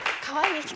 かわいい！